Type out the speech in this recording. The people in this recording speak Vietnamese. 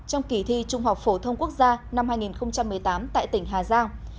trong kỳ thi trung học phổ thông quốc gia năm hai nghìn một mươi tám tại tỉnh hà giang